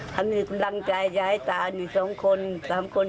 ให้มีกำลังใจให้ตา๒๓คนบ้าง